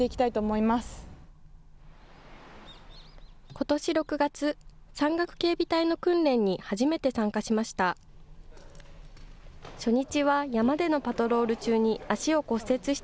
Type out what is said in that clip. ことし６月、山岳警備隊の訓練に初めて参加しました。